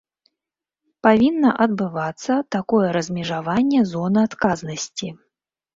Павінна адбывацца такое размежаванне зоны адказнасці.